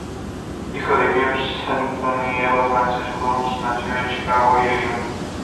Hijo de James Ellsworth y de Eva Frances Butler, nació en Chicago, Illinois.